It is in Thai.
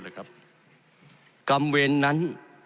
กรรมเวรนั้น